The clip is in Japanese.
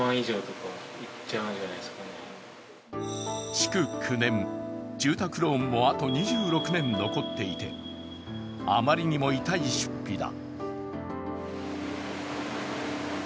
築９年、住宅ローンもあと２６年残っていて、あまりにも痛い出費だ。